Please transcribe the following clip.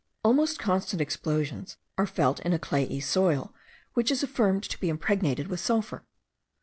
Almost constant explosions are felt in a clayey soil, which is affirmed to be impregnated with sulphur.